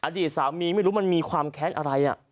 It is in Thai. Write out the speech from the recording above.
อดีตสามีไม่รู้มันมีความแค้นอะไร